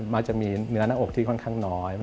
มักจะมีเนื้อหน้าอกที่ค่อนข้างน้อย